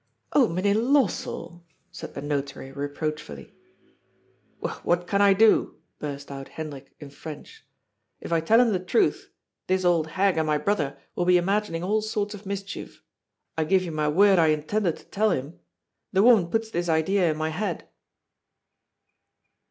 " Oh, Mynheer Lossell !" said the Notary reproachfully. " Well, what can I do ?" burst out Hendrik in French. " If I tell him the truth, this old hag and my brother will be imagining ^11 sorts of mischief. I give you my word I intended to tell him. The woman put this idea in my head